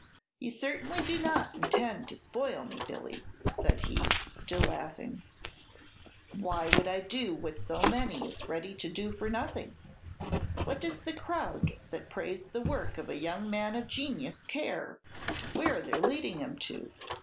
"You certainly do not intend to spoil me, Billy," said he, still laughing. "Why would I do what so many is ready to do for nothing? What does the crowd that praise the work of a young man of genius care where they 're leading him to?